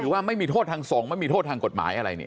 ว่าไม่มีโทษทางส่งไม่มีโทษทางกฎหมายอะไรเนี่ย